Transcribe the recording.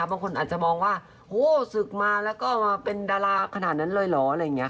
บางคนอาจจะมองว่าโอ้โหศึกมาแล้วก็เป็นดาราขนาดนั้นเลยเหรอ